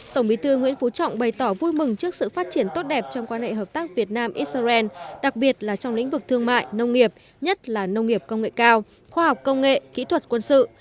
tổng bí thư nguyễn phú trọng bày tỏ vui mừng trước sự phát triển tốt đẹp trong quan hệ hợp tác việt nam israel đặc biệt là trong lĩnh vực thương mại nông nghiệp nhất là nông nghiệp công nghệ cao khoa học công nghệ kỹ thuật quân sự